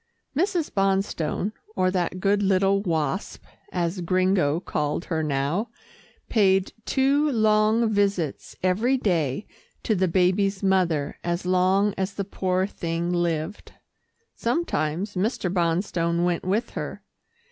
Mrs. Bonstone, or that good little Wasp, as Gringo called her now, paid two long visits every day to the baby's mother as long as the poor thing lived. Sometimes Mr. Bonstone went with her.